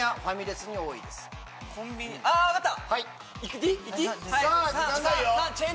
あ分かった！